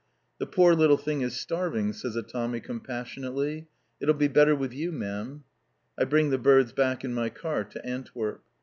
"The poor little thing is starving!" says a Tommy compassionately. "It'll be better with you, ma'am." I bring the birds back in my car to Antwerp.